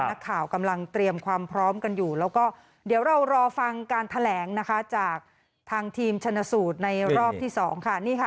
นักข่าวกำลังเตรียมความพร้อมกันอยู่แล้วก็เดี๋ยวเรารอฟังการแถลงนะคะจากทางทีมชนสูตรในรอบที่สองค่ะนี่ค่ะ